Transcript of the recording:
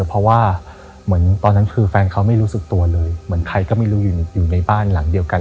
เพราะว่าเหมือนตอนนั้นคือแฟนเขาไม่รู้สึกตัวเลยเหมือนใครก็ไม่รู้อยู่ในบ้านหลังเดียวกัน